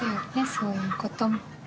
そういうことも。